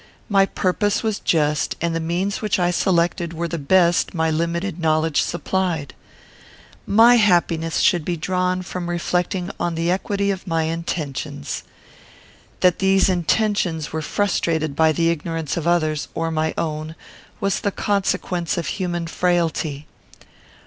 My purpose was just, and the means which I selected were the best my limited knowledge supplied. My happiness should be drawn from reflecting on the equity of my intentions. That these intentions were frustrated by the ignorance of others, or my own, was the consequence of human frailty.